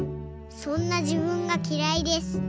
そんなじぶんがきらいです。